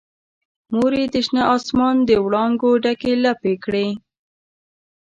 مور یې د شنه اسمان دوړانګو ډکې لپې کړي